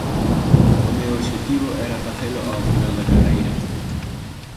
O meu obxectivo era facelo ao final da carreira.